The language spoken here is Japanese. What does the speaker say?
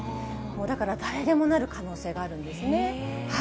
だから、誰でもなる可能性があるんですね。